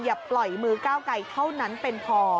อย่าปล่อยมือก้าวไกลเท่านั้นเป็นพอ